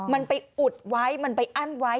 มันไปอุดไว้มันไปอั้นไว้